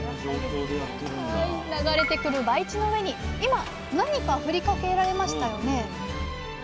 流れてくる培地の上に今何か振りかけられましたよね？